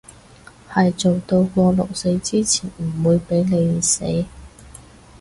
喺做到過勞死之前唔會畀你熱死